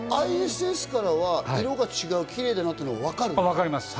ＩＳＳからは、色が違う、キレイだなっていうのがわかるんですか？